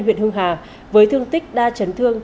huyện hưng hà với thương tích đa chấn thương